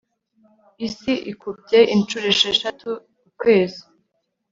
isi ikubye inshuro esheshatu ukwezi